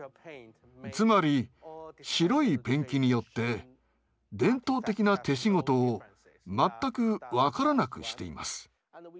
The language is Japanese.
つまり白いペンキによって伝統的な手仕事を全く分からなくしています。